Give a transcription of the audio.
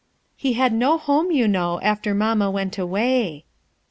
He had no home, you know, after mamma went away."